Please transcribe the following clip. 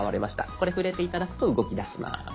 これ触れて頂くと動きだします。